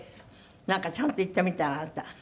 なんかちゃんといったみたいあなた。